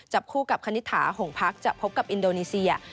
คู่กับคณิตถาหงพักจะพบกับอินโดนีเซีย